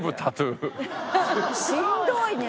しんどいね。